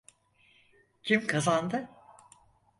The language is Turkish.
Kim kazandı?